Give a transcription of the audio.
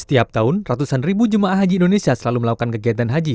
setiap tahun ratusan ribu jemaah haji indonesia selalu melakukan kegiatan haji